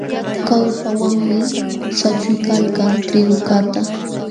Kallpawanmi saćhuykalkan trigukaqta.